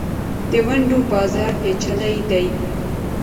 د ونډو بازار پېچلی دی.